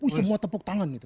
oh semua tepuk tangan gitu